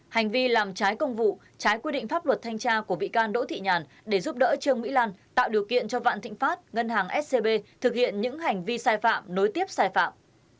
hành vi làm trái công vụ trái quy định pháp luật thanh tra của bị can đỗ thị nhàn để giúp đỡ trương mỹ lan tạo điều kiện cho vạn thịnh pháp ngân hàng scb thực hiện những hành vi sai phạm nối tiếp sai phạm